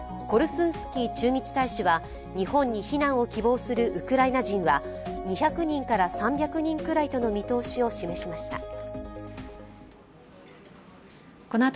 コルスンスキー駐日大使は日本に避難を希望するウクライナ人は２００人から３００人くらいとの見通しを示しました。